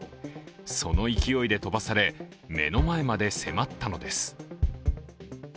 その勢いで飛ばされ、目の前まで迫ったのです。